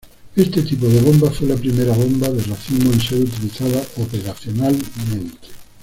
Este tipo de bomba fue la primera bomba de racimo en ser utilizada operacionalmente.